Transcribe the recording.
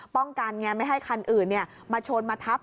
ไงไม่ให้คันอื่นมาชนมาทับ